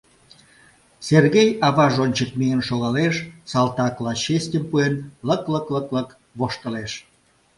Сергей аваж ончык миен шогалеш, салтакла честьым пуэн, лык-лык-лык воштылеш.